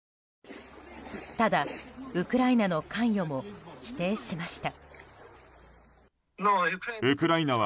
ただ、ウクライナの関与も否定しました。